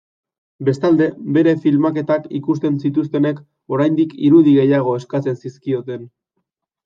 Bestalde, bere filmaketak ikusten zituztenek oraindik irudi gehiago eskatzen zizkioten.